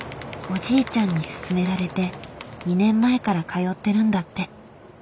おじいちゃんに勧められて２年前から通ってるんだって。